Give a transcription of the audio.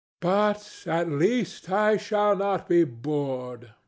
But at least I shall not be bored.